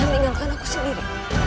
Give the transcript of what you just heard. dan meninggalkan aku sendiri